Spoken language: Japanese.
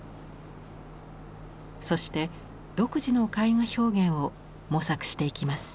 そして独自の絵画表現を模索していきます。